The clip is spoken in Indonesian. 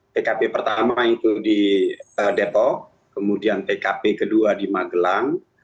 tkp pertama itu di depok kemudian tkp kedua di magelang